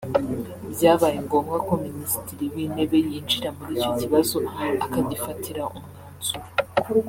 byabaye ngombwa ko Minisitiri w’Intebe yinjira muri icyo kibazo akagifatira umwanzuro